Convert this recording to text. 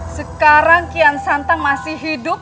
sekarang kian santang masih hidup